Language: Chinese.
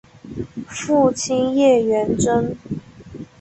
父亲叶原贞。